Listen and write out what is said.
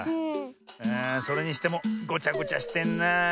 あそれにしてもごちゃごちゃしてんなあ。